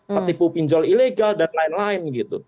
petipu pinjol ilegal dan lain lain gitu